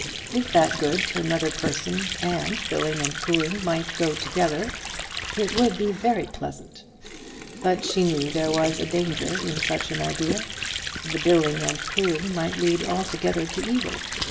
If that good to another person and billing and cooing might go together, it would be very pleasant. But she knew there was danger in such an idea. The billing and cooing might lead altogether to evil.